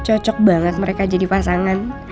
cocok banget mereka jadi pasangan